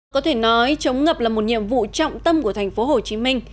có thể nói chống ngập là một nhiệm vụ trọng tâm của thành phố hồ chí minh